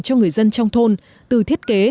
cho người dân trong thôn từ thiết kế